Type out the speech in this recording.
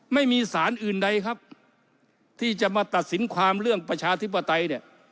ไม่มีสารอื่นใดครับที่จะมาตัดสินความเรื่องประชาธิปไตยเนี่ย